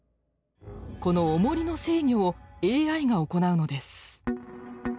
このおもりの制御をＡＩが行うのです。